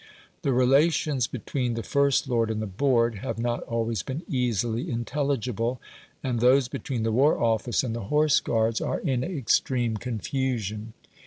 The relations between the First Lord and the Board have not always been easily intelligible, and those between the War Office and the Horse Guards are in extreme confusion.